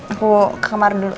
aku ke kamar dulu